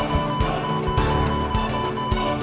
sengen seperti ini